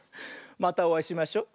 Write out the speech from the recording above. またおあいしましょ。